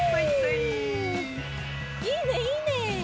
いいねいいね。